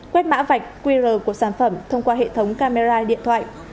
quét mã vạch qr của sản phẩm thông qua hệ thống camera điện thoại